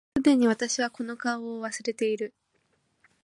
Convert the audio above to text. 既に私はこの顔を忘れている